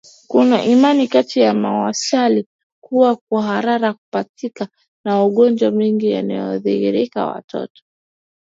Kuna imani kati ya Wamasai kuwa kuhara kutapika na magonjwa mengine yanayoathiri watoto